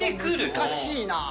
難しいな。